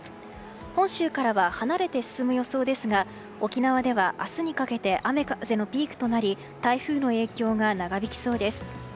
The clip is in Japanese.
本州からは離れて進む予想ですが沖縄では明日にかけて雨風のピークとなり台風の影響が長引きそうです。